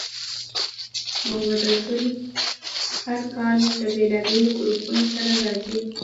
محمدرسول هر کال له بېلابېلو ګروپونو سره راځي.